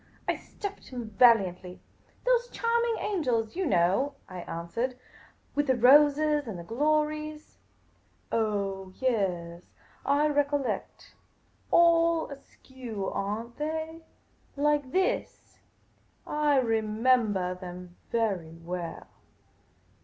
I stuffed him valiantly. " Those charming angels, you know," I answered. " With the roses and the glories I " "Oh, yaas ; I recollect. All askew, are n't they? like this ! I remembah them very well.